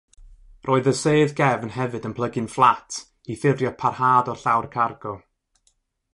Roedd y sedd gefn hefyd yn plygu'n fflat i ffurfio parhad o'r llawr cargo.